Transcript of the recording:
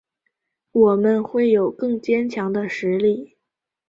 我们会有更坚强的实力